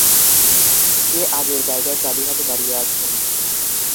কে আগের জায়গায় চাবি হাতে দাঁড়িয়ে আছেন?